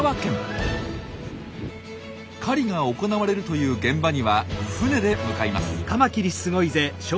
狩りが行われるという現場には船で向かいます。